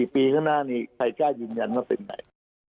ปีข้างหน้านี้ใครกล้ายืนยันว่าเป็นไหน